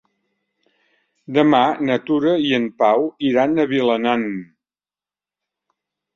Demà na Tura i en Pau iran a Vilanant.